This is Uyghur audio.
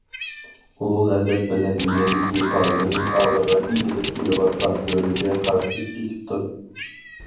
ئۇ غەزەپ بىلەن يېنىدىكى پالتىنى ئالدىغا ئېتىلىپ كېلىۋاتقان بۆرىگە قارىتىپ ئېتىپتۇ.